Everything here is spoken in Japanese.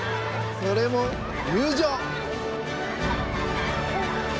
それも友情！